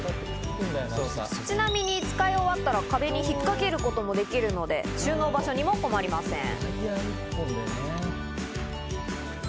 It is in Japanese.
ちなみに使い終わったら壁に引っかけることもできるので、収納場所にも困りません。